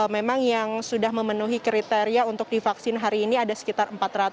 memang yang sudah memenuhi kriteria untuk divaksin hari ini ada sekitar empat ratus